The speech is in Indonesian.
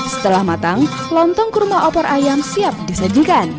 setelah matang lontong kurma opor ayam siap disajikan